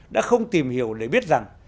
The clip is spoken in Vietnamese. đã không tìm hiểu để biết rằng